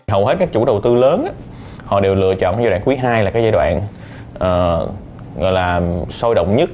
hầu hết các chủ đầu tư lớn đều lựa chọn giai đoạn quý hai là giai đoạn sôi động nhất